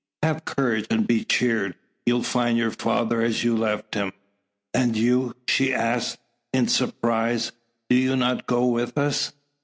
Have courage, and be cheered; you'll find your father as you left him." "And you?" she asks in surprise. "Do you not go with us?"